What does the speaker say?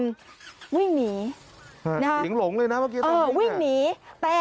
คือเอาอย่างนี้คุณผู้ชมในคลิปเนี่ยบางคนไม่ได้ดูตั้งแต่ต้นเนี่ยอาจจะงงนะฮะ